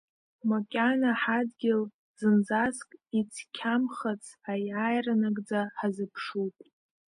Макьана ҳадгьыл зынӡаск ицқьамхац, Аиааира нагӡа ҳазыԥшуп…